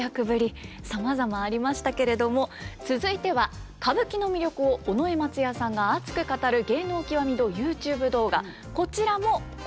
さまざまありましたけれども続いては歌舞伎の魅力を尾上松也さんが熱く語る「芸能きわみ堂」ＹｏｕＴｕｂｅ動画こちらも今回は動物特集です。